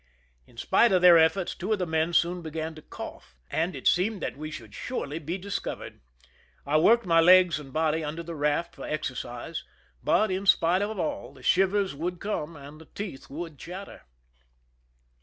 In spite of their efforts, two of the men soon began to cough, and it seemed that we should surely be discovered. I worked my legs and body under the raft for exercise, but, in spite of all, the shivers would come and the teeth would chatter.